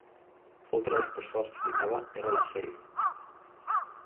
Outra das persoas que citaba era Laxeiro.